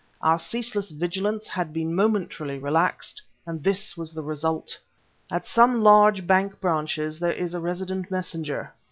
Our ceaseless vigilance had been momentarily relaxed and this was the result! At some large bank branches there is a resident messenger.